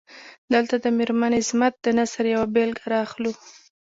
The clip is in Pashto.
دلته د میرمن عظمت د نثر یوه بیلګه را اخلو.